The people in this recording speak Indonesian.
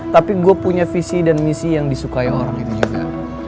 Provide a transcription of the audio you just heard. tapi gue punya visi dan misi yang disukai orang ini juga